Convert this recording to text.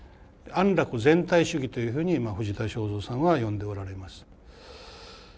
「安楽全体主義」というふうに藤田省三さんは呼んでおられます。